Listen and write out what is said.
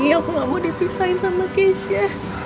iya aku gak mau dipisahin sama keisha